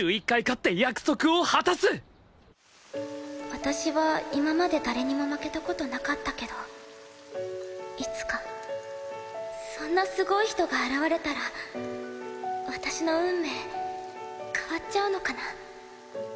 私は今まで誰にも負けた事なかったけどいつかそんなすごい人が現れたら私の運命変わっちゃうのかな？